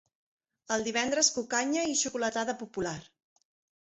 El divendres, cucanya i xocolatada popular.